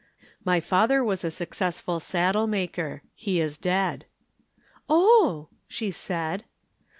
"My father was a successful saddle maker. He is dead." "Oh!" she said.